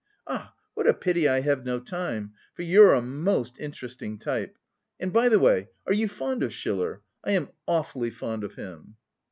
Ah, what a pity I have no time, for you're a most interesting type! And, by the way, are you fond of Schiller? I am awfully fond of him."